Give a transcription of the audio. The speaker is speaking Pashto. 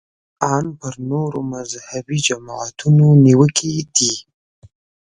ان پر نورو مذهبي جماعتونو نیوکې دي.